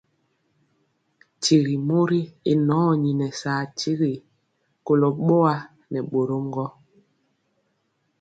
Tyigi mori y nɔni nɛ saa tiri kolo boa nɛ bórɔm gɔ.